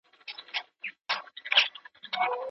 لاسکي د سياستپوهني له پاره شعاري پېژند وړاندي کړ.